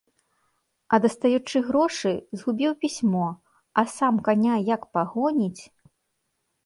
А дастаючы грошы, згубіў пісьмо, а сам каня як пагоніць!